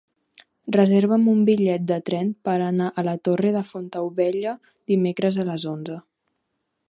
Reserva'm un bitllet de tren per anar a la Torre de Fontaubella dimecres a les onze.